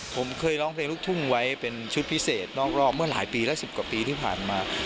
ผมเคยร้องเพลงลูกทุ่งไว้เป็นชุดพิเศษนอกรอบเมื่อหลายปีและ๑๐กว่าปีที่ผ่านมา